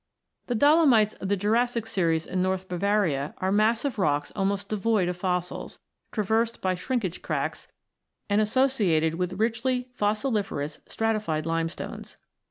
The dolomites of the Jurassic series in north Bavaria are massive rocks almost devoid of fossils, traversed by shrinkage cracks, and associated with richly fossiliferous stratified limestones.